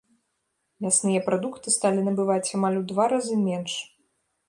Мясныя прадукты сталі набываць амаль у два разы менш.